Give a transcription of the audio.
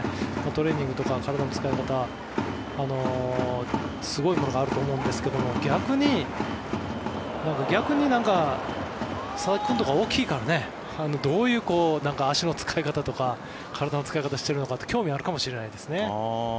トレーニングとか体の使い方すごいものがあると思うんですが逆に、佐々木君とか大きいからどういう足の使い方とか体の使い方をしているのか興味があるのかもしれないですね。